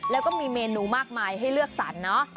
แล้วก็มีเมนูมากมายให้เลือกสรรเนาะ